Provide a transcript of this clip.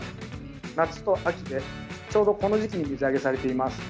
夏と秋で、ちょうどこの時期に水揚げされています。